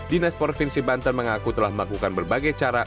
dinas provinsi banten mengaku telah melakukan berbagai cara